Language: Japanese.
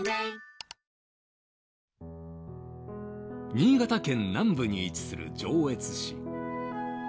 新潟県南部に位置する上越市。